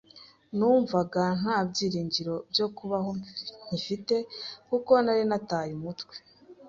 numvaga nta byiringiro byo kubaho nkifite kuko nari nataye umutwe,